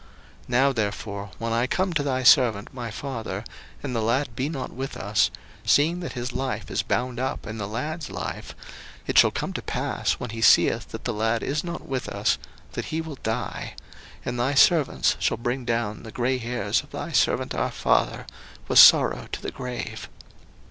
01:044:030 Now therefore when I come to thy servant my father, and the lad be not with us; seeing that his life is bound up in the lad's life; 01:044:031 It shall come to pass, when he seeth that the lad is not with us, that he will die: and thy servants shall bring down the gray hairs of thy servant our father with sorrow to the grave.